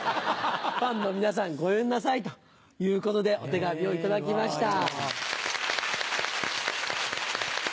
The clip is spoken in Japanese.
ファンのみなさんごめんなさい！」ということでお手紙を頂きました。